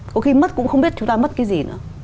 có khi mất cũng không biết chúng ta mất cái gì nữa